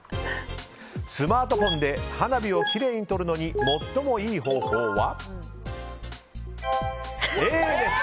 スマートフォンで花火を撮るのに最もいい方法はＡです。